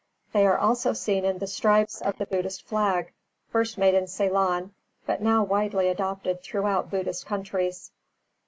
They are also seen in the stripes of the Buddhist Flag, first made in Ceylon but now widely adopted throughout Buddhist countries.